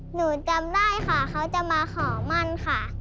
หนูจำได้ค่ะเขาจะมาขอมั่นค่ะ